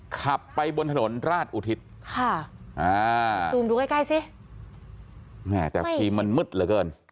ขับไปบนถนนราชอุทิศค่ะอ่าดูใกล้ใกล้สิเนี่ยแต่ทีมันมึดเหลือเกิน